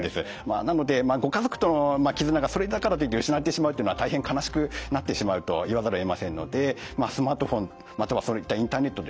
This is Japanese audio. なのでご家族との絆がそれだからといって失われてしまうっていうのは大変悲しくなってしまうと言わざるをえませんのでスマートフォンまたはそういったインターネットですね